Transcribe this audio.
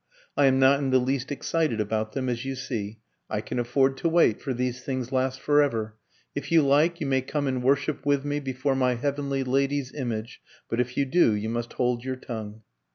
I am not in the least excited about them, as you see; I can afford to wait, for these things last for ever. If you like, you may come and worship with me before my heavenly lady's image; but if you do, you must hold your tongue."